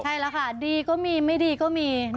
ใช่แล้วค่ะดีก็มีไม่ดีก็มี